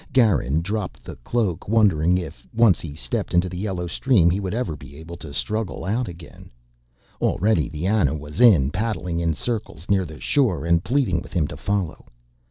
Garin dropped the cloak, wondering if, once he stepped into the yellow stream, he would ever be able to struggle out again. Already the Ana was in, paddling in circles near the shore and pleading with him to follow.